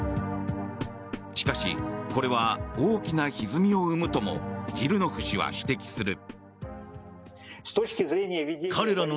しかし、これは大きなひずみを生むともジルノフ氏は指摘する。